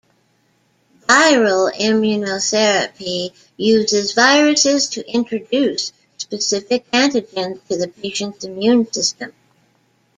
Viral immunotherapy uses viruses to introduce specific antigens to the patient's immune system.